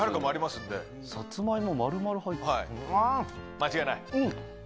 間違いない？